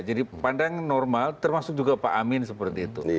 jadi pandang normal termasuk juga pak amin seperti itu